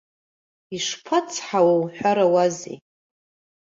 Ишԥацҳауа уҳәарауазеи.